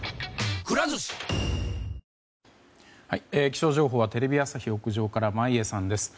気象情報はテレビ朝日屋上から真家さんです。